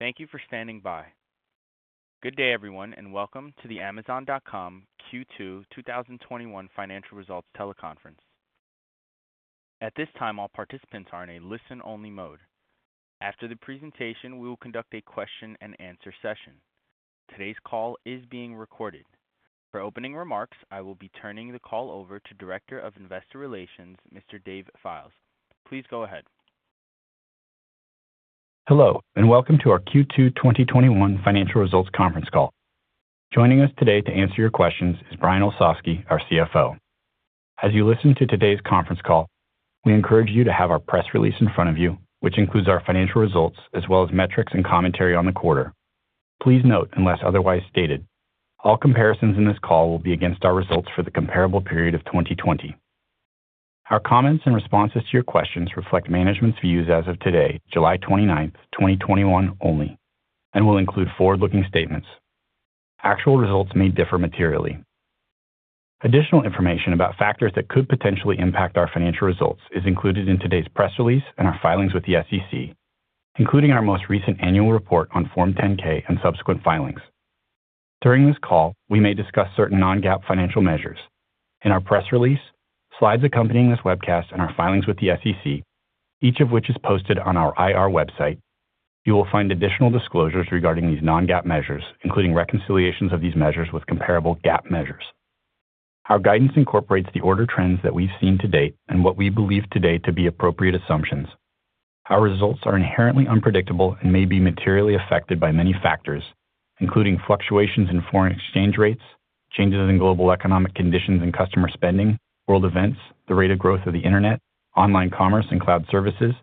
Thank you for standing by. Good day, everyone, and welcome to the Amazon.com Q2 2021 financial results teleconference. At this time, all participants are in a listen-only mode. After the presentation, we will conduct a question-and-answer session. Today's call is being recorded. For opening remarks, I will be turning the call over to Director of Investor Relations, Mr. Dave Fildes. Please go ahead. Hello, and welcome to our Q2 2021 financial results conference call. Joining us today to answer your questions is Brian Olsavsky, our CFO. As you listen to today's conference call, we encourage you to have our press release in front of you, which includes our financial results as well as metrics and commentary on the quarter. Please note, unless otherwise stated, all comparisons in this call will be against our results for the comparable period of 2020. Our comments and responses to your questions reflect management's views as of today, July 29th, 2021, only, and will include forward-looking statements. Actual results may differ materially. Additional information about factors that could potentially impact our financial results is included in today's press release and our filings with the SEC, including our most recent annual report on Form 10-K and subsequent filings. During this call, we may discuss certain non-GAAP financial measures. In our press release, slides accompanying this webcast and our filings with the SEC, each of which is posted on our IR website, you will find additional disclosures regarding these non-GAAP measures, including reconciliations of these measures with comparable GAAP measures. Our guidance incorporates the order trends that we've seen to date and what we believe today to be appropriate assumptions. Our results are inherently unpredictable and may be materially affected by many factors, including fluctuations in foreign exchange rates, changes in global economic conditions and customer spending, world events, the rate of growth of the internet, online commerce and cloud services,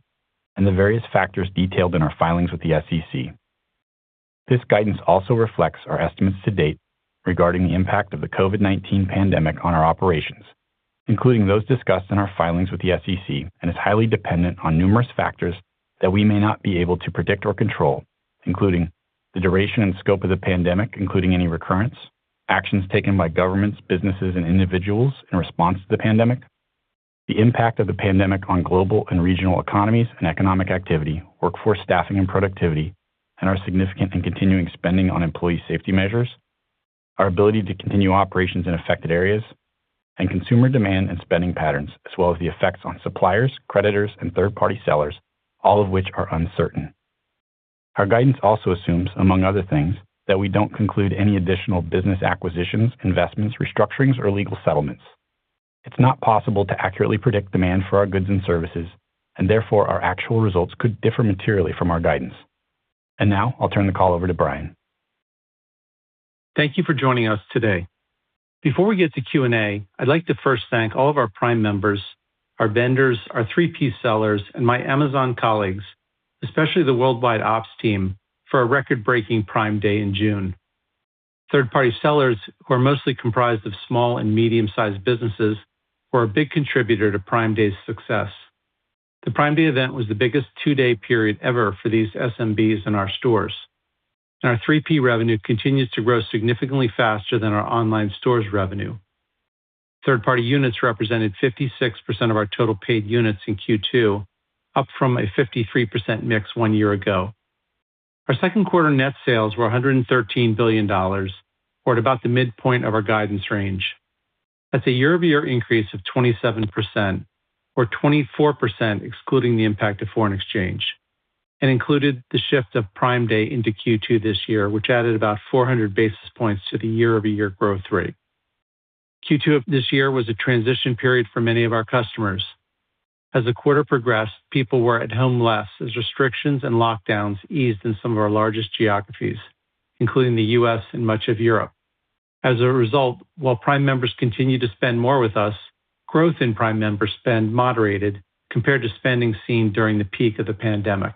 and the various factors detailed in our filings with the SEC. This guidance also reflects our estimates to date regarding the impact of the COVID-19 pandemic on our operations, including those discussed in our filings with the SEC, and is highly dependent on numerous factors that we may not be able to predict or control, including the duration and scope of the pandemic, including any recurrence, actions taken by governments, businesses, and individuals in response to the pandemic. The impact of the pandemic on global and regional economies and economic activity, workforce staffing and productivity, and our significant and continuing spending on employee safety measures, our ability to continue operations in affected areas, and consumer demand and spending patterns, as well as the effects on suppliers, creditors, and third-party sellers, all of which are uncertain. Our guidance also assumes, among other things, that we don't conclude any additional business acquisitions, investments, restructurings, or legal settlements. It's not possible to accurately predict demand for our goods and services, therefore, our actual results could differ materially from our guidance. Now, I'll turn the call over to Brian. Thank you for joining us today. Before we get to Q&A, I'd like to first thank all of our Prime members, our vendors, our 3P sellers, and my Amazon colleagues, especially the Worldwide Ops team, for a record-breaking Prime Day in June. Third-party sellers, who are mostly comprised of small and medium-sized businesses, were a big contributor to Prime Day's success. The Prime Day event was the biggest two-day period ever for these SMBs in our stores, and our 3P revenue continues to grow significantly faster than our online stores revenue. Third-party units represented 56% of our total paid units in Q2, up from a 53% mix one year ago. Our second quarter net sales were $113 billion, or at about the midpoint of our guidance range. That's a year-over-year increase of 27%, or 24% excluding the impact of foreign exchange, and included the shift of Prime Day into Q2 this year, which added about 400 basis points to the year-over-year growth rate. Q2 of this year was a transition period for many of our customers. As the quarter progressed, people were at home less as restrictions and lockdowns eased in some of our largest geographies, including the U.S. and much of Europe. As a result, while Prime members continue to spend more with us, growth in Prime member spend moderated compared to spending seen during the peak of the pandemic.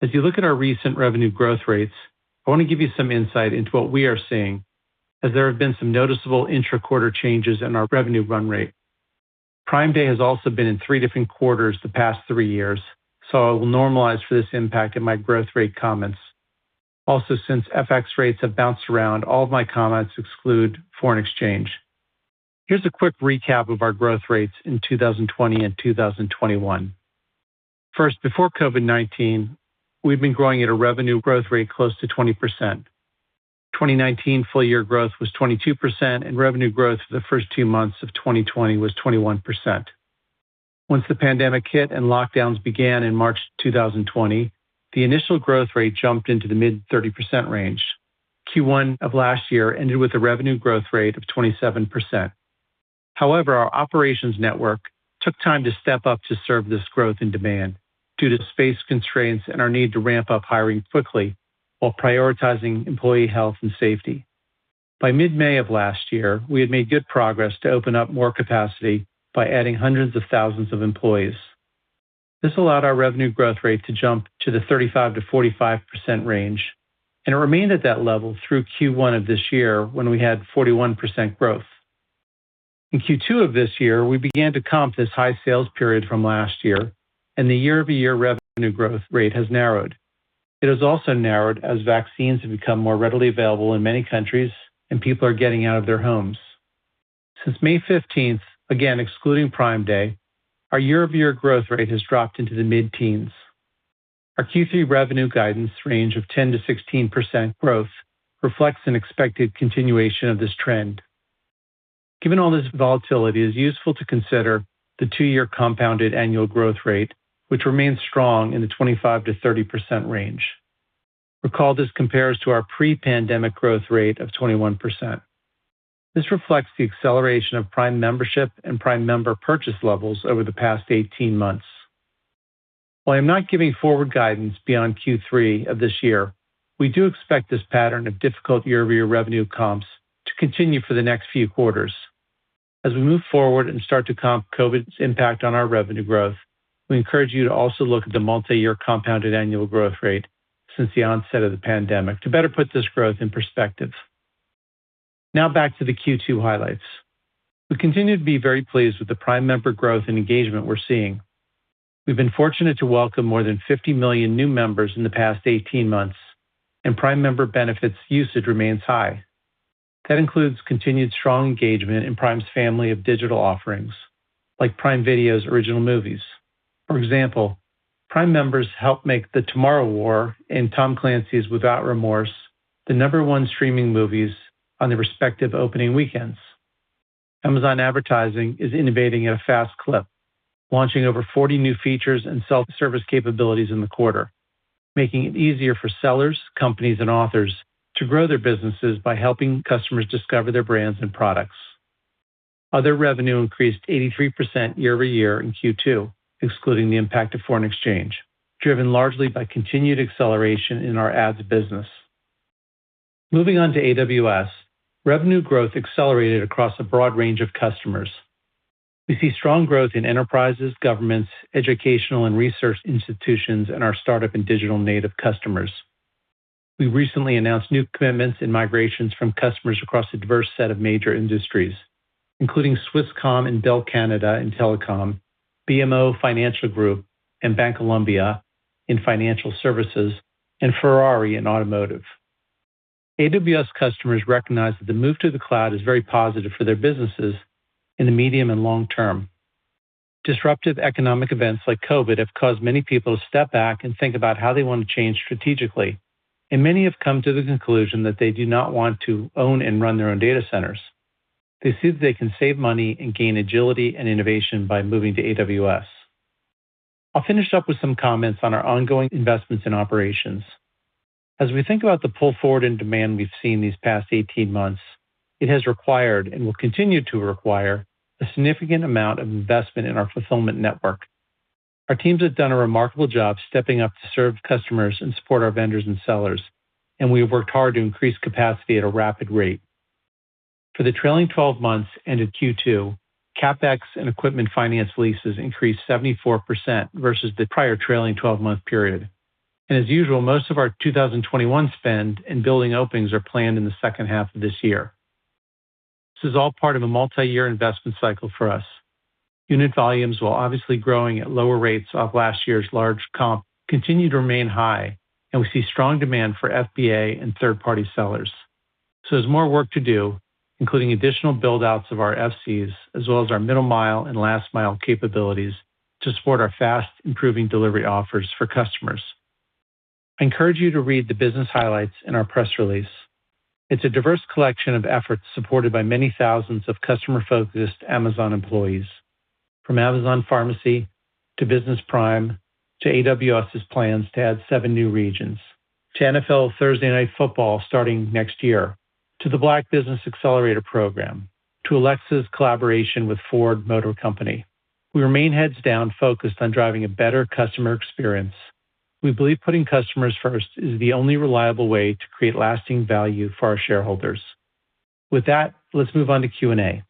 As you look at our recent revenue growth rates, I want to give you some insight into what we are seeing, as there have been some noticeable intra-quarter changes in our revenue run rate. Prime Day has also been in three different quarters the past three years. I will normalize for this impact in my growth rate comments. Since FX rates have bounced around, all of my comments exclude foreign exchange. Here's a quick recap of our growth rates in 2020 and 2021. First, before COVID-19, we'd been growing at a revenue growth rate close to 20%. 2019 full-year growth was 22%, and revenue growth for the first two months of 2020 was 21%. Once the pandemic hit and lockdowns began in March 2020, the initial growth rate jumped into the mid 30% range. Q1 of last year ended with a revenue growth rate of 27%. However, our operations network took time to step up to serve this growth and demand due to space constraints and our need to ramp up hiring quickly while prioritizing employee health and safety. By mid-May of last year, we had made good progress to open up more capacity by adding hundreds of thousands of employees. This allowed our revenue growth rate to jump to the 35%-45% range, and it remained at that level through Q1 of this year, when we had 41% growth. In Q2 of this year, we began to comp this high sales period from last year, and the year-over-year revenue growth rate has narrowed. It has also narrowed as vaccines have become more readily available in many countries, and people are getting out of their homes. Since May 15th, again, excluding Prime Day, our year-over-year growth rate has dropped into the mid-teens. Our Q3 revenue guidance range of 10%-16% growth reflects an expected continuation of this trend. Given all this volatility, it is useful to consider the two-year compounded annual growth rate, which remains strong in the 25%-30% range. Recall, this compares to our pre-pandemic growth rate of 21%. This reflects the acceleration of Prime membership and Prime member purchase levels over the past 18 months. While I'm not giving forward guidance beyond Q3 of this year, we do expect this pattern of difficult year-over-year revenue comps to continue for the next few quarters. As we move forward and start to comp COVID's impact on our revenue growth, we encourage you to also look at the multi-year compounded annual growth rate since the onset of the pandemic to better put this growth in perspective. Now back to the Q2 highlights. We continue to be very pleased with the Prime member growth and engagement we're seeing. We've been fortunate to welcome more than 50 million new members in the past 18 months, and Prime Member Benefits usage remains high. That includes continued strong engagement in Prime's family of digital offerings, like Prime Video's original movies. For example, Prime members helped make "The Tomorrow War" and "Tom Clancy's Without Remorse" the number one streaming movies on their respective opening weekends. Amazon Advertising is innovating at a fast clip, launching over 40 new features and self-service capabilities in the quarter, making it easier for sellers, companies, and authors to grow their businesses by helping customers discover their brands and products. Other revenue increased 83% year-over-year in Q2, excluding the impact of foreign exchange, driven largely by continued acceleration in our ads business. Moving on to AWS, revenue growth accelerated across a broad range of customers. We see strong growth in enterprises, governments, educational and research institutions, and our startup and digital native customers. We recently announced new commitments and migrations from customers across a diverse set of major industries, including Swisscom and Bell Canada in telecom, BMO Financial Group and Bancolombia in financial services, and Ferrari in automotive. AWS customers recognize that the move to the cloud is very positive for their businesses in the medium and long term. Disruptive economic events like COVID have caused many people to step back and think about how they want to change strategically, and many have come to the conclusion that they do not want to own and run their own data centers. They see that they can save money and gain agility and innovation by moving to AWS. I'll finish up with some comments on our ongoing investments in operations. As we think about the pull forward in demand we've seen these past 18 months, it has required, and will continue to require, a significant amount of investment in our fulfillment network. Our teams have done a remarkable job stepping up to serve customers and support our vendors and sellers, and we have worked hard to increase capacity at a rapid rate. For the trailing 12 months ended Q2, CapEx and equipment finance leases increased 74% versus the prior trailing 12-month period. As usual, most of our 2021 spend and building openings are planned in the second half of this year. This is all part of a multi-year investment cycle for us. Unit volumes, while obviously growing at lower rates off last year's large comp, continue to remain high, and we see strong demand for FBA and third-party sellers. There's more work to do, including additional build-outs of our FCs as well as our middle mile and last mile capabilities to support our fast, improving delivery offers for customers. I encourage you to read the business highlights in our press release. It's a diverse collection of efforts supported by many thousands of customer-focused Amazon employees, from Amazon Pharmacy to Business Prime to AWS' plans to add seven new regions to NFL Thursday Night Football starting next year to the Black Business Accelerator program to Alexa's collaboration with Ford Motor Company. We remain heads down focused on driving a better customer experience. We believe putting customers first is the only reliable way to create lasting value for our shareholders. With that, let's move on to Q&A.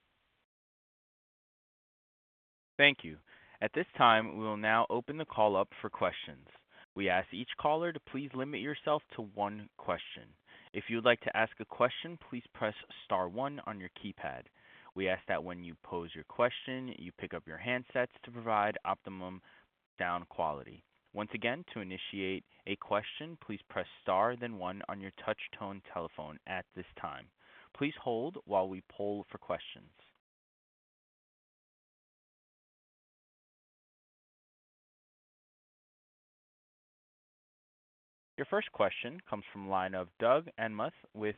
Thank you. At this time, we will now open the call up for questions. We ask each caller to please limit yourself to one question. If you would like to ask a question, please press star one on your keypad. We ask that when you pose your question, you pick up your handsets to provide optimum sound quality. Once again, to initiate a question, please press star, then one on your touch-tone telephone at this time. Your first question comes from the line of Doug Anmuth with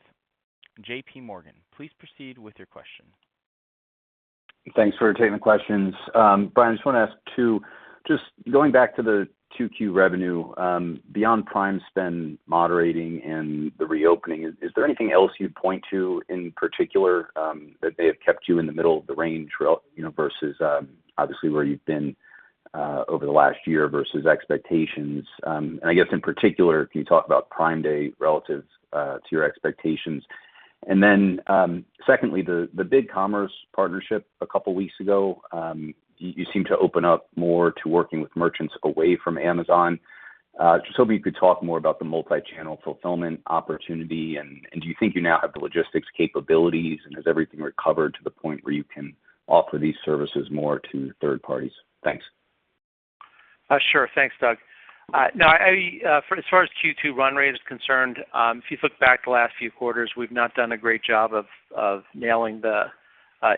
J.P. Morgan. Please proceed with your question. Thanks for taking the questions. Brian, I just want to ask two. Just going back to the 2Q revenue, beyond Prime spend moderating and the reopening, is there anything else you'd point to in particular that may have kept you in the middle of the range versus obviously where you've been over the last year versus expectations? I guess in particular, can you talk about Prime Day relative to your expectations? Secondly, the BigCommerce partnership a couple of weeks ago. You seem to open up more to working with merchants away from Amazon. Just hoping you could talk more about the multi-channel fulfillment opportunity, and do you think you now have the logistics capabilities, and has everything recovered to the point where you can offer these services more to third parties? Sure. Thanks, Doug. As far as Q2 run rate is concerned, if you look back the last few quarters, we've not done a great job of nailing the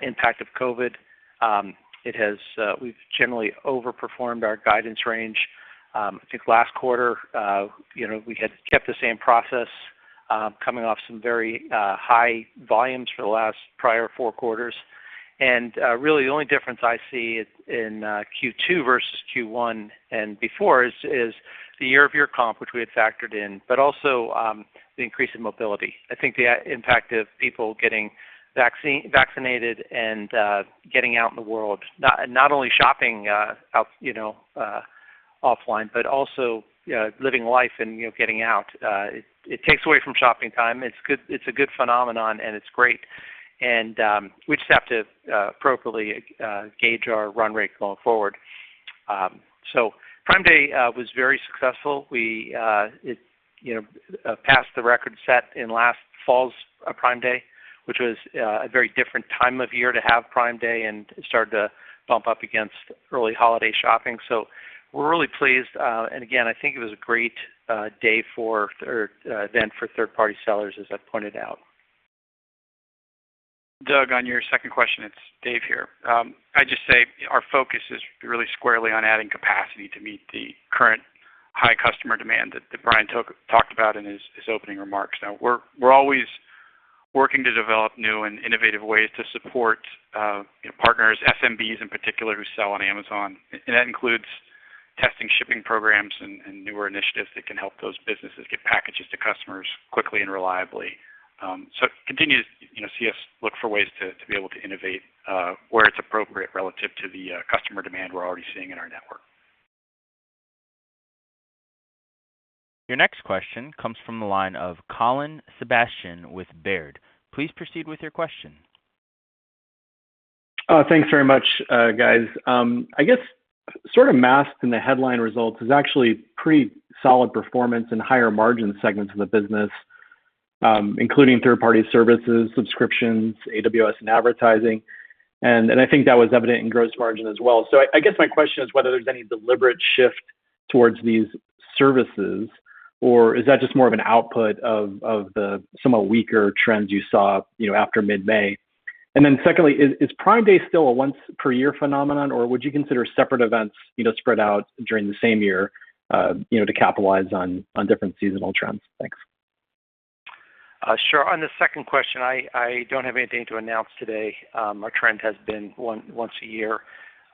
impact of COVID. We've generally overperformed our guidance range. I think last quarter, we had kept the same process, coming off some very high volumes for the last prior four quarters. Really, the only difference I see in Q2 versus Q1 and before is the year-over-year comp, which we had factored in, but also the increase in mobility. I think the impact of people getting vaccinated and getting out in the world, not only shopping offline, but also living life and getting out. It takes away from shopping time. It's a good phenomenon, and it's great. We just have to appropriately gauge our run rate going forward. Prime Day was very successful. It passed the record set in last fall's Prime Day, which was a very different time of year to have Prime Day, and it started to bump up against early holiday shopping. We're really pleased. Again, I think it was a great day for event for third-party sellers, as I pointed out. Doug, on your second question, it's Dave here. I'd just say our focus is really squarely on adding capacity to meet the current high customer demand that Brian talked about in his opening remarks. We're always working to develop new and innovative ways to support partners, SMBs in particular, who sell on Amazon. That includes testing shipping programs and newer initiatives that can help those businesses get packages to customers quickly and reliably. Continue to see us look for ways to be able to innovate where it's appropriate relative to the customer demand we're already seeing in our network. Your next question comes from the line of Colin Sebastian with Baird. Please proceed with your question. Thanks very much, guys. I guess, sort of masked in the headline results is actually pretty solid performance in higher margin segments of the business, including third-party services, subscriptions, AWS, and advertising. I think that was evident in gross margin as well. I guess my question is whether there's any deliberate shift towards these services, or is that just more of an output of the somewhat weaker trends you saw after mid-May? Secondly, is Prime Day still a once per year phenomenon, or would you consider separate events spread out during the same year to capitalize on different seasonal trends? Thanks. Sure. On the second question, I don't have anything to announce today. Our trend has been once a year.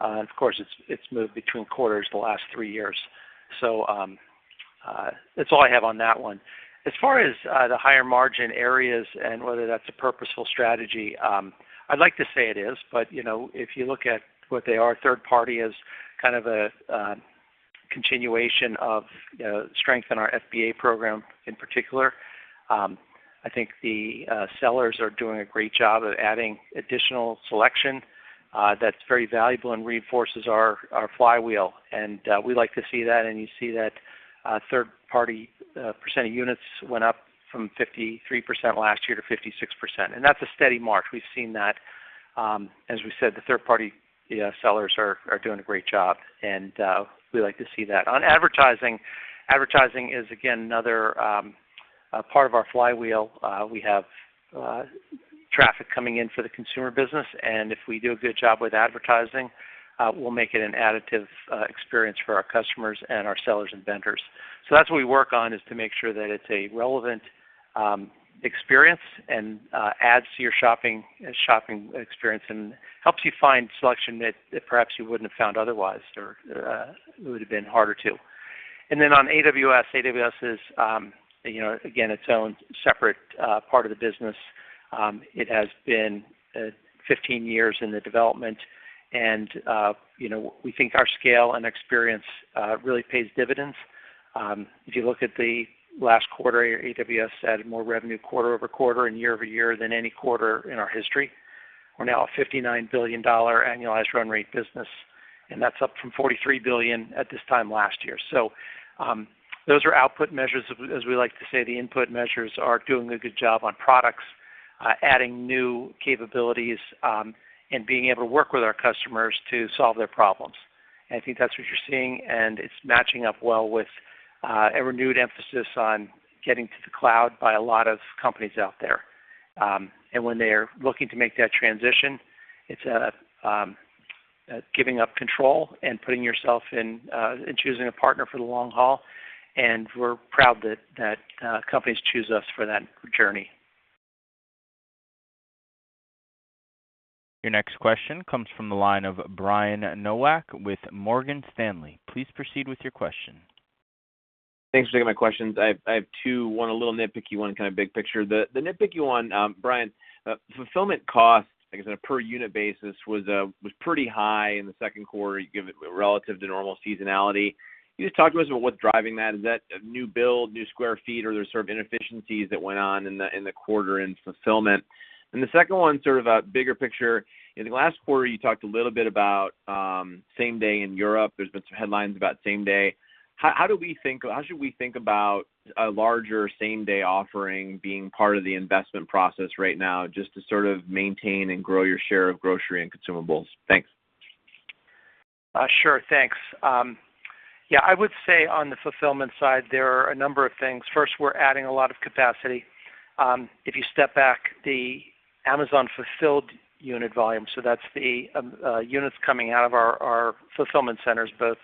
Of course, it's moved between quarters the last three years. That's all I have on that one. As far as the higher margin areas and whether that's a purposeful strategy, I'd like to say it is. If you look at what they are, third party is kind of a continuation of strength in our FBA program in particular. I think the sellers are doing a great job of adding additional selection that's very valuable and reinforces our flywheel, and we like to see that. You see that third party percent of units went up from 53% last year to 56%, and that's a steady march. We've seen that. As we said, the third-party sellers are doing a great job, and we like to see that. On advertising is, again, another part of our flywheel. We have traffic coming in for the consumer business, if we do a good job with advertising, we'll make it an additive experience for our customers and our sellers and vendors. That's what we work on, is to make sure that it's a relevant experience and adds to your shopping experience and helps you find selection that perhaps you wouldn't have found otherwise, or it would've been harder to. On AWS is again, its own separate part of the business. It has been 15 years in the development, we think our scale and experience really pays dividends. If you look at the last quarter, AWS added more revenue quarter-over-quarter and year-over-year than any quarter in our history. We're now a $59 billion annualized run rate business, and that's up from $43 billion at this time last year. Those are output measures. As we like to say, the input measures are doing a good job on products, adding new capabilities, and being able to work with our customers to solve their problems. I think that's what you're seeing, and it's matching up well with a renewed emphasis on getting to the cloud by a lot of companies out there. When they're looking to make that transition, it's giving up control and putting yourself in choosing a partner for the long haul. We're proud that companies choose us for that journey. Your next question comes from the line of Brian Nowak with Morgan Stanley. Please proceed with your question. Thanks for taking my questions. I have two, one a little nitpicky, one kind of big picture. The nitpicky one, Brian, fulfillment costs, I guess, on a per unit basis was pretty high in the second quarter relative to normal seasonality. Can you just talk to us about what's driving that? Is that a new build, new square feet, or there's sort of inefficiencies that went on in the quarter in fulfillment? The second one's sort of a bigger picture. In the last quarter, you talked a little bit about same day in Europe. There's been some headlines about same day. How should we think about a larger same-day offering being part of the investment process right now just to sort of maintain and grow your share of grocery and consumables? Thanks. Thanks. I would say on the fulfillment side, there are a number of things. First, we're adding a lot of capacity. If you step back, the Amazon fulfilled unit volume, so that's the units coming out of our Fulfillment Centers, both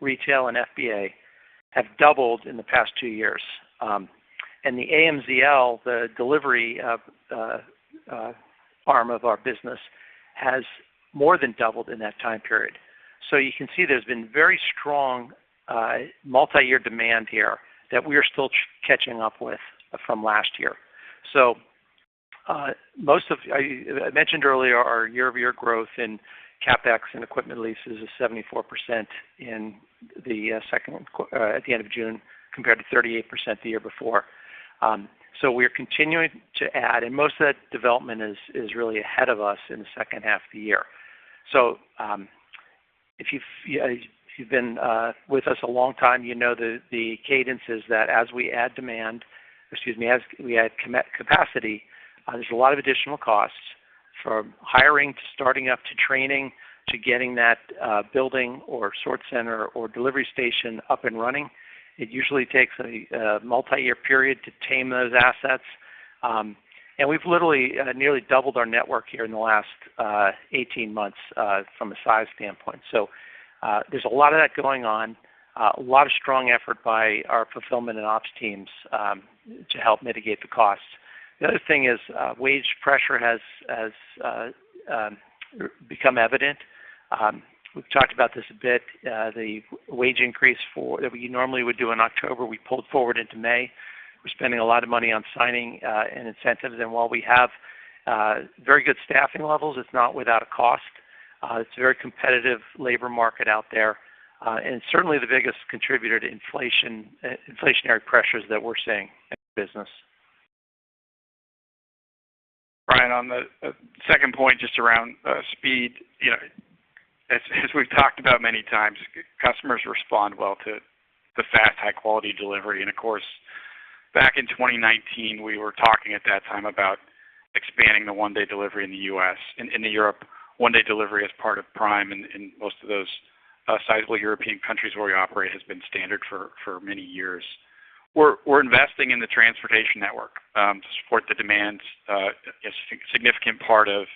retail and FBA, have doubled in the past two years. The AMZL, the delivery arm of our business, has more than doubled in that time period. You can see there's been very strong multi-year demand here that we are still catching up with from last year. I mentioned earlier our year-over-year growth in CapEx and equipment leases is 74% at the end of June, compared to 38% the year before. We are continuing to add, and most of that development is really ahead of us in the second half of the year. If you've been with us a long time, you know the cadence is that as we add demand, excuse me, as we add capacity, there's a lot of additional costs from hiring, to starting up, to training, to getting that building or sort center or delivery station up and running. It usually takes a multi-year period to tame those assets. We've literally nearly doubled our network here in the last 18 months, from a size standpoint. There's a lot of that going on. A lot of strong effort by our fulfillment and ops teams to help mitigate the costs. The other thing is wage pressure has become evident. We've talked about this a bit. The wage increase that we normally would do in October, we pulled forward into May. We're spending a lot of money on signing an incentive. While we have very good staffing levels, it's not without a cost. It's a very competitive labor market out there. Certainly the biggest contributor to inflationary pressures that we're seeing in the business. Brian, on the second point, just around speed. We've talked about many times, customers respond well to the fast, high-quality delivery. Of course, back in 2019, we were talking at that time about expanding the one-day delivery in the U.S., and in the Europe, one-day delivery as part of Prime in most of those sizable European countries where we operate, has been standard for many years. We're investing in the transportation network to support the demands. A significant part of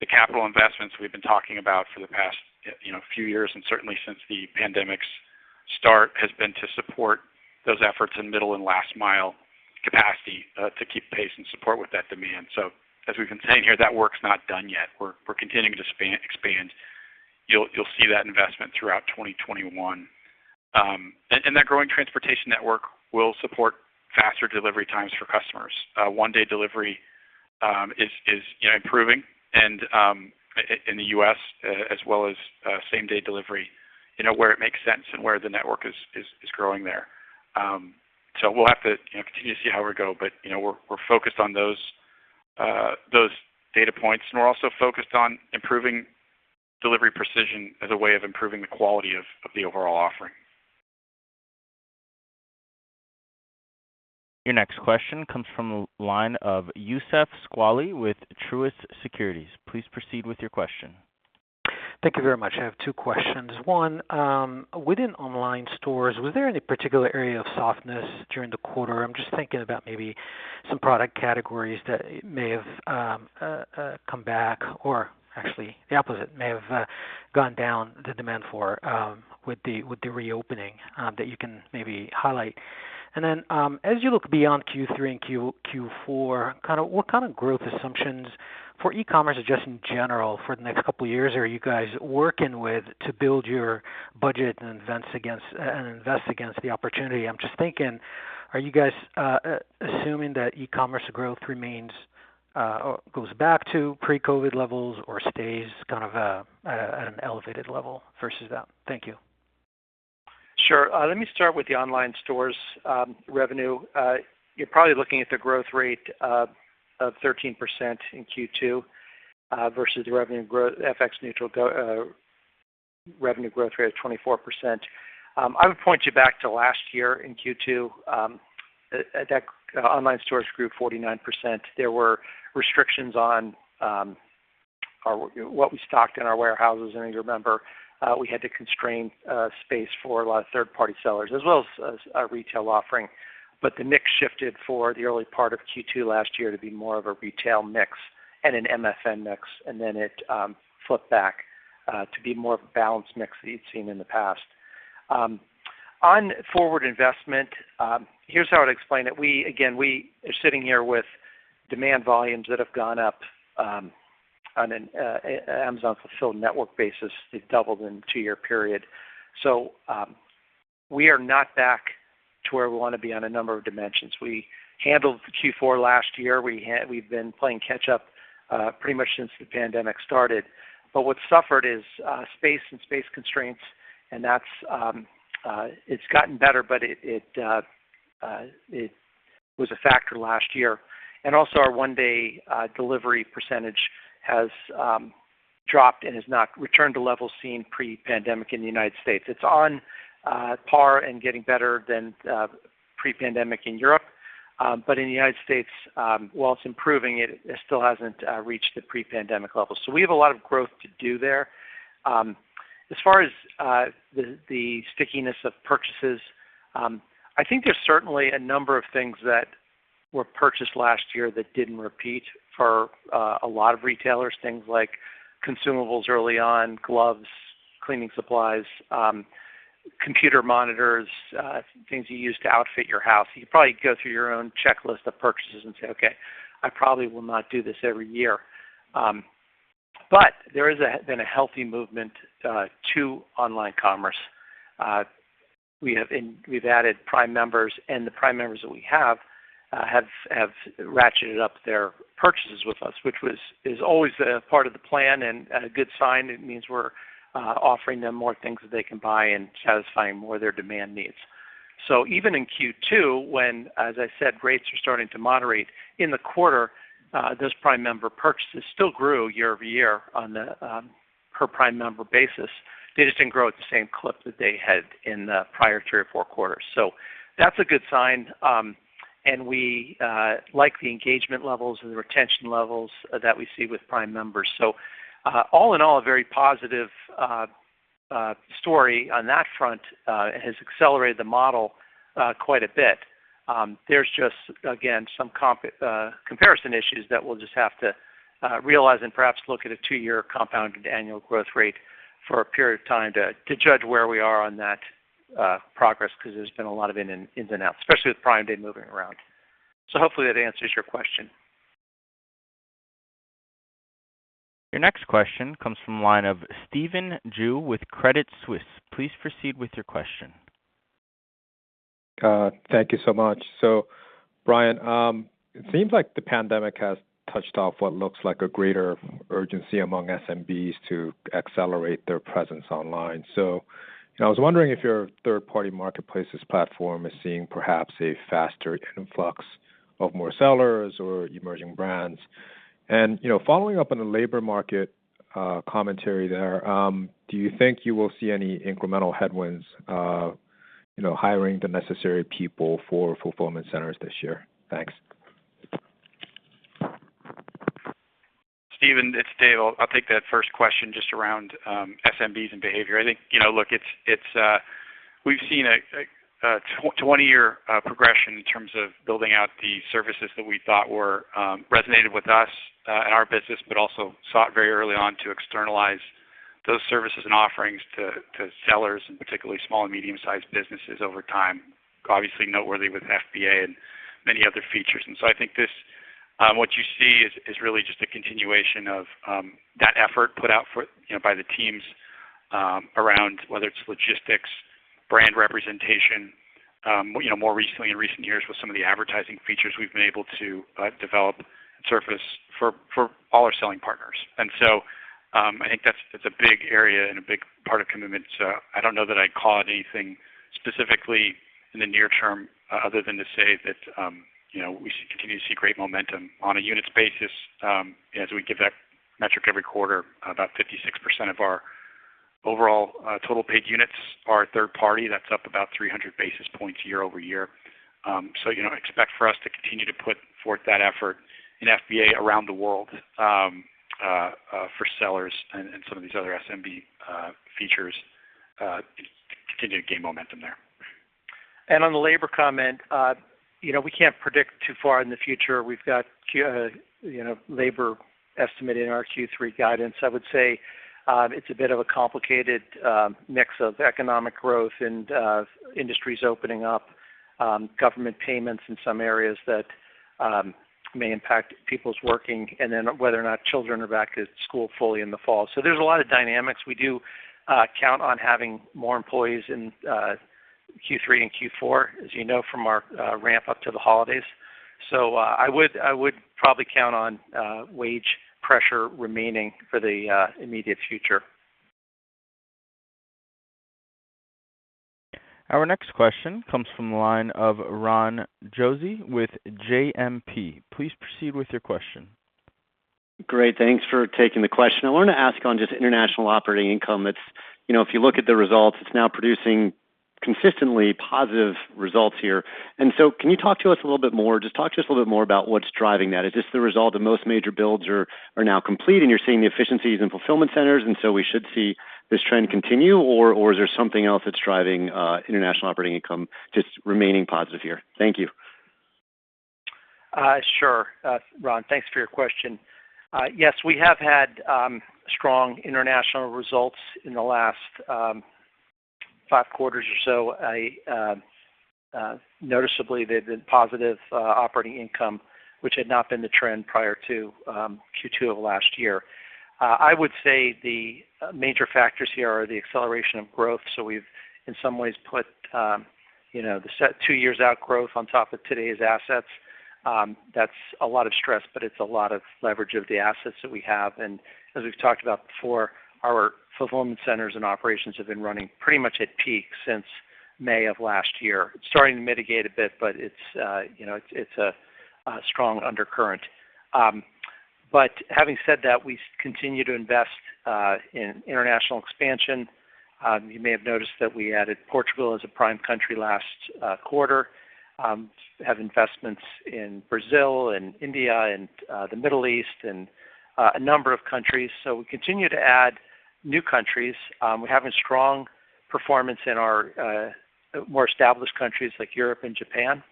the capital investments we've been talking about for the past few years, and certainly since the pandemic's start, has been to support those efforts in middle and last mile capacity to keep pace and support with that demand. As we've been saying here, that work's not done yet. We're continuing to expand. You'll see that investment throughout 2021. That growing transportation network will support faster delivery times for customers. One-day delivery is improving in the U.S. as well as same-day delivery, where it makes sense and where the network is growing there. We'll have to continue to see how we go, but we're focused on those data points, and we're also focused on improving delivery precision as a way of improving the quality of the overall offering. Your next question comes from the line of Youssef Squali with Truist Securities. Please proceed with your question. Thank you very much. I have two questions. One, within online stores, was there any particular area of softness during the quarter? I'm just thinking about maybe some product categories that may have come back, or actually the opposite, may have gone down the demand for with the reopening, that you can maybe highlight. Then, as you look beyond Q3 and Q4, what kind of growth assumptions for e-commerce or just in general for the next couple of years are you guys working with to build your budget and invest against the opportunity? I'm just thinking, are you guys assuming that e-commerce growth goes back to pre-COVID levels or stays at an elevated level versus that? Thank you. Sure. Let me start with the online stores revenue. You're probably looking at the growth rate of 13% in Q2 versus the FX-neutral revenue growth rate of 24%. I would point you back to last year in Q2. At that, online stores grew 49%. There were restrictions on what we stocked in our warehouses. As you remember, we had to constrain space for a lot of third-party sellers as well as our retail offering. The mix shifted for the early part of Q2 last year to be more of a retail mix and an MFN mix. Then it flipped back to be more of a balanced mix that you'd seen in the past. On forward investment, here's how I'd explain it. Again, we are sitting here with demand volumes that have gone up on an Amazon Fulfilled network basis. It doubled in a two-year period. We are not back to where we want to be on a number of dimensions. We handled the Q4 last year. We've been playing catch up pretty much since the pandemic started. What suffered is space and space constraints, and it's gotten better, but it was a factor last year. Our one-day delivery % has dropped and has not returned to levels seen pre-pandemic in the U.S. It's on par and getting better than pre-pandemic in Europe. But in the U.S., while it's improving, it still hasn't reached the pre-pandemic levels. We have a lot of growth to do there. As far as the stickiness of purchases, I think there's certainly a number of things that were purchased last year that didn't repeat for a lot of retailers. Things like consumables early on, gloves, cleaning supplies, computer monitors, things you use to outfit your house. You could probably go through your own checklist of purchases and say, "Okay, I probably will not do this every year." There has been a healthy movement to online commerce. We've added Prime members, and the Prime members that we have ratcheted up their purchases with us, which is always a part of the plan and a good sign. It means we're offering them more things that they can buy and satisfying more of their demand needs. Even in Q2, when, as I said, rates were starting to moderate, in the quarter, those Prime member purchases still grew year-over-year on the per Prime member basis. They just didn't grow at the same clip that they had in the prior three or four quarters. That's a good sign. We like the engagement levels and the retention levels that we see with Prime members. All in all, a very positive story on that front. It has accelerated the model quite a bit. There's just, again, some comparison issues that we'll just have to realize and perhaps look at a two-year compounded annual growth rate for a period of time to judge where we are on that progress, because there's been a lot of ins and outs, especially with Prime Day moving around. Hopefully that answers your question. Your next question comes from the line of Stephen Ju with Credit Suisse. Please proceed with your question. Thank you so much. Brian, it seems like the pandemic has touched off what looks like a greater urgency among SMBs to accelerate their presence online. I was wondering if your third-party marketplaces platform is seeing perhaps a faster influx of more sellers or emerging brands. Following up on the labor market commentary there, do you think you will see any incremental headwinds hiring the necessary people for fulfillment centers this year? Thanks. Stephen, it's Dave. I'll take that first question just around SMBs and behavior. I think, look, we've seen a 20-year progression in terms of building out the services that we thought resonated with us and our business, but also sought very early on to externalize those services and offerings to sellers, and particularly small and medium-sized businesses over time. Obviously noteworthy with FBA and many other features. I think what you see is really just a continuation of that effort put out by the teams around, whether it's logistics, brand representation, more recently, in recent years, with some of the advertising features we've been able to develop and surface for all our selling partners. I think that's a big area and a big part of commitment. I don't know that I'd call out anything specifically in the near term other than to say that we continue to see great momentum on a units basis. As we give that metric every quarter, about 56% of our overall total paid units are third party. That's up about 300 basis points year-over-year. Expect for us to continue to put forth that effort in FBA around the world for sellers and some of these other SMB features to continue to gain momentum there. On the labor comment, we can't predict too far in the future. We've got labor estimate in our Q3 guidance. I would say it's a bit of a complicated mix of economic growth and industries opening up, government payments in some areas that may impact people's working, and then whether or not children are back at school fully in the fall. There's a lot of dynamics. We do count on having more employees in Q3 and Q4, as you know, from our ramp up to the holidays. I would probably count on wage pressure remaining for the immediate future. Our next question comes from the line of Ron Josey with JMP. Please proceed with your question. Great. Thanks for taking the question. I wanted to ask on just international operating income. If you look at the results, it's now producing consistently positive results here. Can you talk to us a little bit more about what's driving that. Is this the result of most major builds are now complete, you're seeing the efficiencies in fulfillment centers, we should see this trend continue, or is there something else that's driving international operating income just remaining positive here? Thank you. Sure. Ron, thanks for your question. Yes, we have had strong international results in the last five quarters or so. Noticeably, they've been positive operating income, which had not been the trend prior to Q2 of last year. I would say the major factors here are the acceleration of growth. We've, in some ways, put the set two years out growth on top of today's assets. That's a lot of stress, but it's a lot of leverage of the assets that we have. As we've talked about before, our fulfillment centers and operations have been running pretty much at peak since May of last year. It's starting to mitigate a bit, but it's a strong undercurrent. Having said that, we continue to invest in international expansion. You may have noticed that we added Portugal as a Prime country last quarter. Have investments in Brazil and India and the Middle East, and a number of countries. We continue to add new countries. We're having strong performance in our more established countries like Europe and Japan.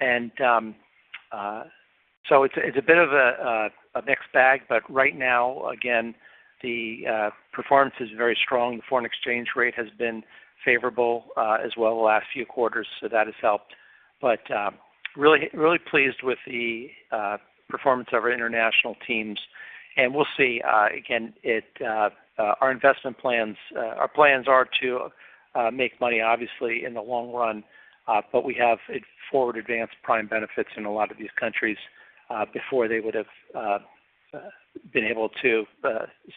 It's a bit of a mixed bag, but right now, again, the performance is very strong. The foreign exchange rate has been favorable as well the last few quarters, so that has helped. Really pleased with the performance of our international teams. We'll see. Our plans are to make money, obviously, in the long run, but we have forward-advanced Prime benefits in a lot of these countries, before they would have been able to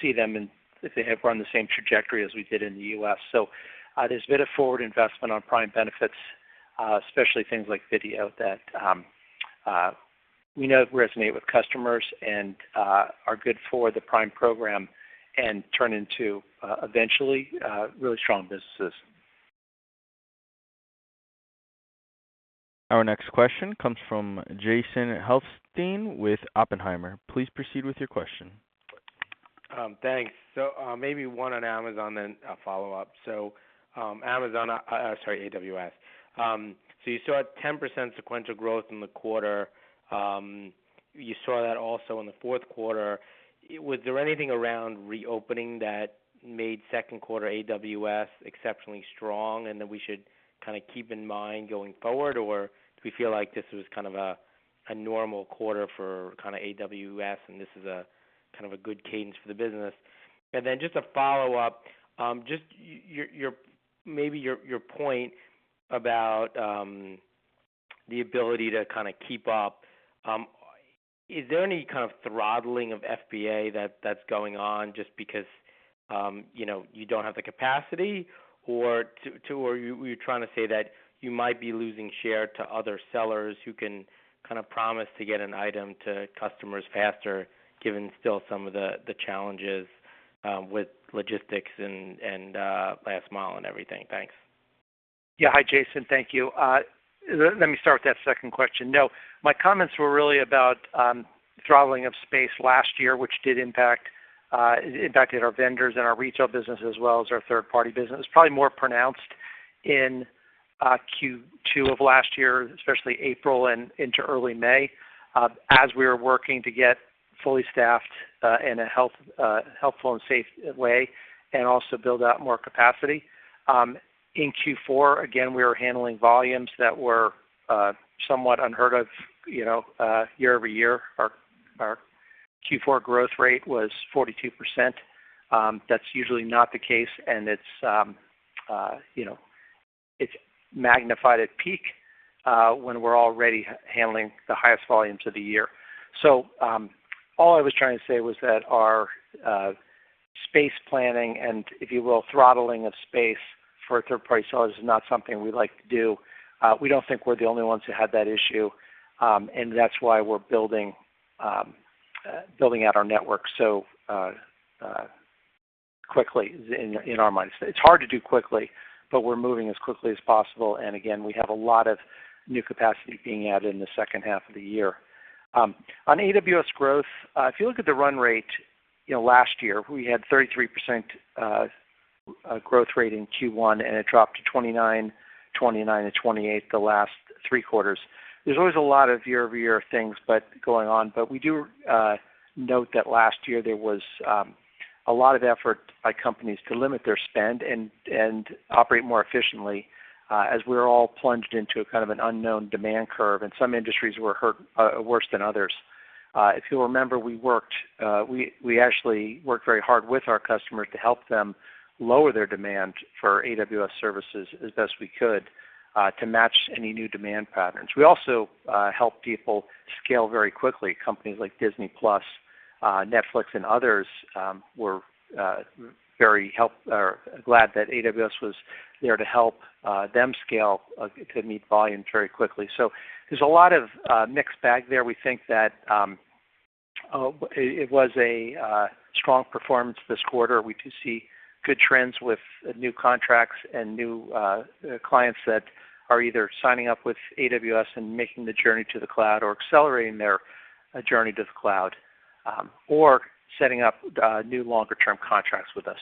see them, and if they have run the same trajectory as we did in the U.S. There's been a forward investment on Prime benefits, especially things like Video, that we know resonate with customers and are good for the Prime program, and turn into, eventually, really strong businesses. Our next question comes from Jason Helfstein with Oppenheimer. Please proceed with your question. Thanks. Maybe one on Amazon, then a follow-up. Amazon, sorry, AWS. You saw a 10% sequential growth in the quarter. You saw that also in Q4. Was there anything around reopening that made Q2 AWS exceptionally strong, and that we should keep in mind going forward? Do we feel like this was a normal quarter for AWS, and this is a good cadence for the business? Just a follow-up. Just maybe your point about the ability to keep up. Is there any kind of throttling of FBA that's going on just because you don't have the capacity? Were you trying to say that you might be losing share to other sellers who can promise to get an item to customers faster, given still some of the challenges with logistics and last mile and everything? Thanks. Hi, Jason. Thank you. Let me start with that second question. No, my comments were really about throttling of space last year, which did impact our vendors and our retail business, as well as our third-party business. Probably more pronounced in Q2 of last year, especially April and into early May, as we were working to get fully staffed in a healthful and safe way, and also build out more capacity. In Q4, again, we were handling volumes that were somewhat unheard of year-over-year. Our Q4 growth rate was 42%. That's usually not the case, and it's magnified at peak, when we're already handling the highest volumes of the year. All I was trying to say was that our space planning and, if you will, throttling of space for third-party sellers is not something we like to do. We don't think we're the only ones who had that issue. That's why we're building out our network so quickly in our mindset. It's hard to do quickly, but we're moving as quickly as possible. Again, we have a lot of new capacity being added in the second half of the year. On AWS growth, if you look at the run rate, last year, we had 33% growth rate in Q1, and it dropped to 29, and 28 the last three quarters. There's always a lot of year-over-year things going on, but we do note that last year there was a lot of effort by companies to limit their spend and operate more efficiently, as we were all plunged into a kind of an unknown demand curve, and some industries were hurt worse than others. If you'll remember, we actually worked very hard with our customers to help them lower their demand for AWS services as best we could to match any new demand patterns. We also helped people scale very quickly. Companies like Disney+, Netflix, and others were very glad that AWS was there to help them scale to meet volume very quickly. There's a lot of mixed bag there. We think that it was a strong performance this quarter. We do see good trends with new contracts and new clients that are either signing up with AWS and making the journey to the cloud or accelerating their journey to the cloud. Setting up new longer-term contracts with us.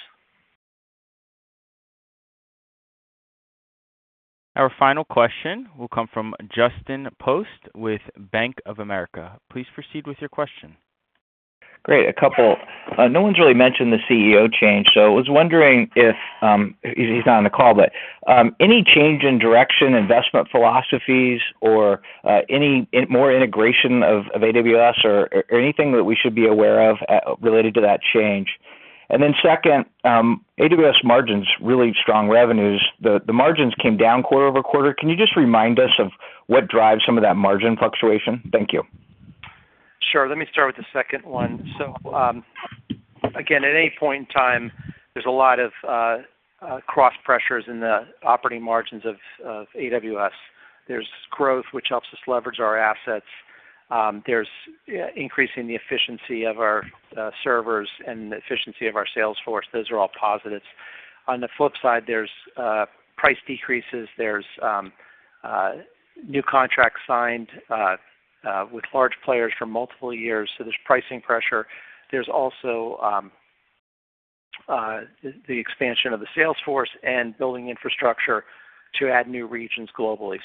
Our final question will come from Justin Post with Bank of America. Please proceed with your question. Great. A couple. No one's really mentioned the CEO change, so I was wondering if, he's not on the call, but any change in direction, investment philosophies, or any more integration of AWS, or anything that we should be aware of related to that change? Second, AWS margins, really strong revenues. The margins came down quarter-over-quarter. Can you just remind us of what drives some of that margin fluctuation? Thank you. Sure. Let me start with the second one. Again, at any point in time, there's a lot of cost pressures in the operating margins of AWS. There's growth, which helps us leverage our assets. There's increasing the efficiency of our servers and the efficiency of our sales force. Those are all positives. On the flip side, there's price decreases, there's new contracts signed with large players for multiple years, so there's pricing pressure. There's also the expansion of the sales force and building infrastructure to add new regions globally.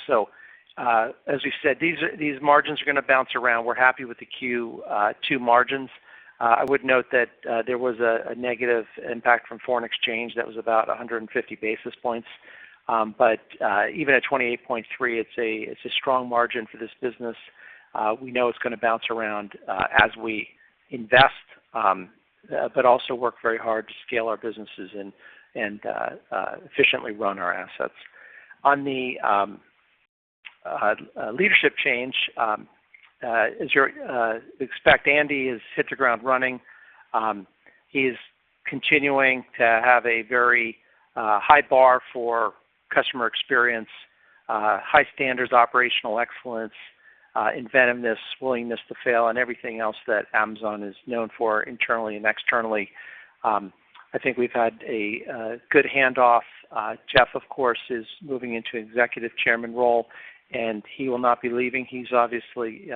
As we said, these margins are going to bounce around. We're happy with the Q2 margins. I would note that there was a negative impact from foreign exchange that was about 150 basis points. Even at 28.3%, it's a strong margin for this business. We know it's going to bounce around as we invest, but also work very hard to scale our businesses and efficiently run our assets. On the leadership change, as you expect, Andy has hit the ground running. He is continuing to have a very high bar for customer experience, high standards, operational excellence, inventiveness, willingness to fail, and everything else that Amazon is known for internally and externally. I think we've had a good handoff. Jeff, of course, is moving into Executive Chairman role. He will not be leaving. He is obviously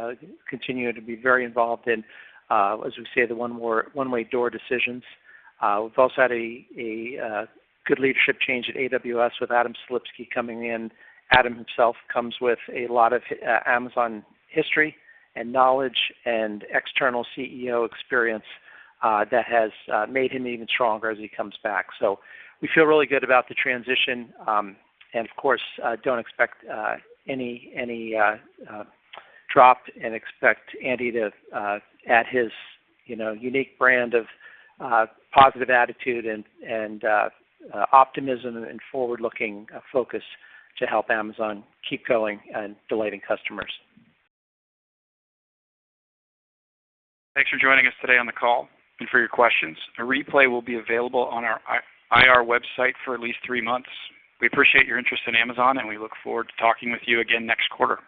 continuing to be very involved in, as we say, the one-way door decisions. We have also had a good leadership change at AWS with Adam Selipsky coming in. Adam himself comes with a lot of Amazon history and knowledge and external CEO experience that has made him even stronger as he comes back. We feel really good about the transition, and of course, don't expect any drop, and expect Andy to add his unique brand of positive attitude and optimism and forward-looking focus to help Amazon keep going and delighting customers. Thanks for joining us today on the call and for your questions. A replay will be available on our IR website for at least three months. We appreciate your interest in Amazon, and we look forward to talking with you again next quarter.